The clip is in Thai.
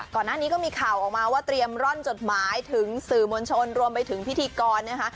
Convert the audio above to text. ก่อนหน้านี้ก็มีข่าวออกมาว่าเตรียมร่อนจดหมายถึงสื่อมวลชนรวมไปถึงพิธีกรนะคะ